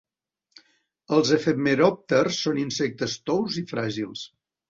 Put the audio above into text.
Els efemeròpters són insectes tous i fràgils.